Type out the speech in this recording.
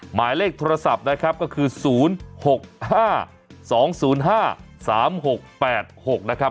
หมายเลขโทรศัพท์นะครับก็คือ๐๖๕๒๐๕๓๖๘๖นะครับ